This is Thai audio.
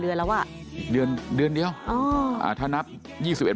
เดือนแล้วอ่ะเดือนเดือนเดียวอ๋ออ่าถ้านับยี่สิบเอ็